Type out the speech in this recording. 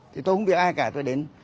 thì tôi không biết ai cả tôi đến